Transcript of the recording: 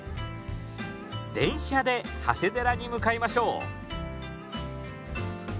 電車で長谷寺に向かいましょう。